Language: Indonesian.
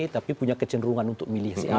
tapi punya kecenderungan untuk milih si a